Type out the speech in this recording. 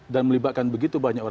dan melibatkan begitu banyak